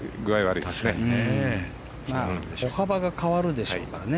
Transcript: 歩幅が変わるでしょうからね。